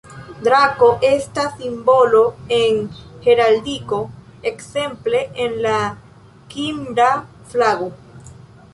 Drako estas simbolo en Heraldiko, ekzemple en la Kimra flago.